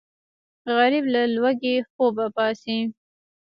غریب له وږي خوبه پاڅي